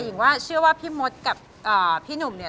หญิงว่าเชื่อว่าพี่มดกับพี่หนุ่มเนี่ย